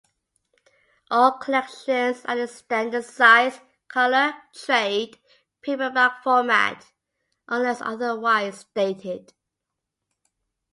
All collections are in standard-size, colour, trade paperback format unless otherwise stated.